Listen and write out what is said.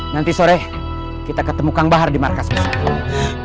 nanti sore kita ketemu kang bahar di markas besok